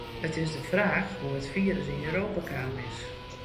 It is de fraach hoe't it firus yn Europa kaam is.